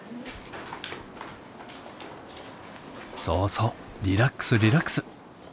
そうそうリラックスリラックス。